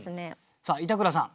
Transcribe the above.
さあ板倉さん。